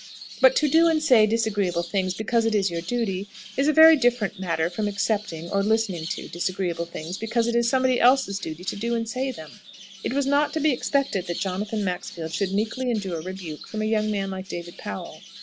But to do and say disagreeable things because it is your duty is a very different matter from accepting, or listening to, disagreeable things, because it is somebody else's duty to do and say them! It was not to be expected that Jonathan Maxfield should meekly endure rebuke from a young man like David Powell.